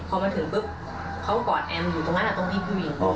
พอมาถึงปุ๊บเขากอดแอมอยู่ตรงนั้นนะตรงที่พี่วิ่งอยู่